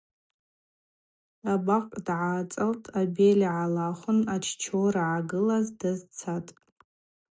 Абакъ дгӏацӏалтӏ, абель гӏалахвын аччора ъагылаз дазцахтӏ.